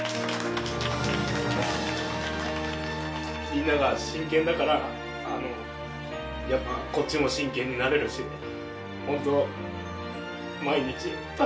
みんなが真剣だからやっぱりこっちも真剣になれるし本当毎日助かっています。